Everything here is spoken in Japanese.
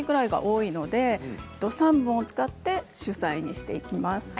そのうちの３本を使って主菜にしていきます。